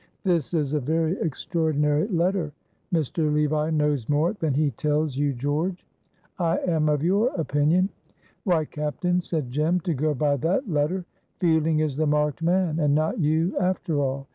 "This is a very extraordinary letter. Mr. Levi knows more than he tells you, George." "I am of your opinion." "Why, captain," said Jem, "to go by that letter, Fielding is the marked man, and not you after all.